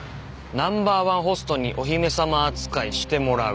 「ナンバー１ホストにお姫様扱いしてもらう」。